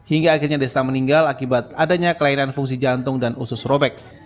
hingga akhirnya desta meninggal akibat adanya kelahiran fungsi jantung dan usus robek